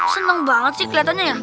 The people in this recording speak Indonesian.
seneng banget sih kelihatannya